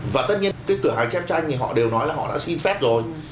và tất nhiên cái cửa hàng chép tranh thì họ đều nói là họ đã xin phép rồi